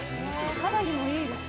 肌にもいいですね。